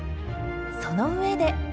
その上で。